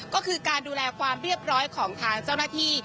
ก็คือการดูแลความเรียบร้อยของทางเจ้าหน้าที่